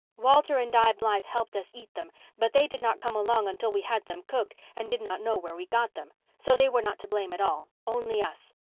Walter and Di Blythe helped us eat them, but they did not come along until we had them cooked and did not know where we got them, so they were not to blame at all, only us.